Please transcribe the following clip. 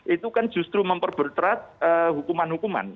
itu kan justru memperberat hukuman hukuman